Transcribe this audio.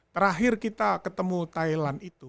terakhir kita ketemu thailand itu